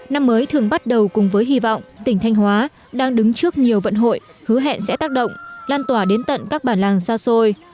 năm mới thường bắt đầu cùng với hy vọng tỉnh thanh hóa đang đứng trước nhiều vận hội hứa hẹn sẽ tác động lan tỏa đến tận các bản làng xa xôi